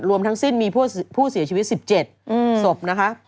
ทั้งสิ้นมีผู้เสียชีวิต๑๗ศพนะคะ